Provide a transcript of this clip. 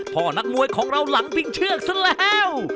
นักมวยของเราหลังพิงเชือกซะแล้ว